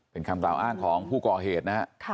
เป็นคำกล่าวอ้างของผู้ก่อเหตุนะครับ